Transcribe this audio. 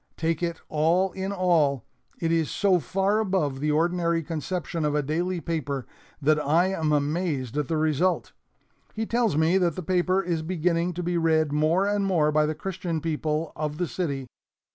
Take it all in all, it is so far above the ordinary conception of a daily paper that I am amazed at the result. He tells me that the paper is beginning to be read more and more by the Christian people of the city.